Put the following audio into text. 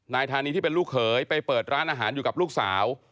นายธานีที่เป็นลูกเขยไปเปิดร้านอาหารอยู่กับลูกสาว